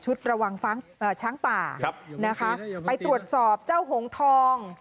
ชุดระวังช้างป่าไปตรวจสอบเจ้าโหงทอง